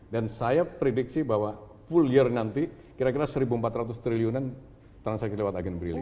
dan saya prediksi bahwa full year nanti kira kira satu empat ratus triliunan transaksi lewat agen briling